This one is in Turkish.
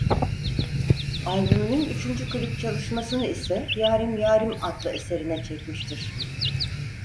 Albümünün üçüncü klip çalışmasını ise "Yarim Yarim" adlı eserine çekmiştir.